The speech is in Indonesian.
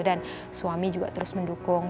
dan suami juga terus mendukung